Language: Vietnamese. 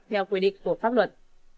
theo quy định của pháp luật